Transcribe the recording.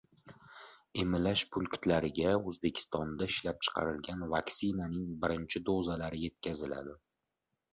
Emlash punktlariga O‘zbekistonda ishlab chiqarilgan vaksinaning birinchi dozalari yetkaziladi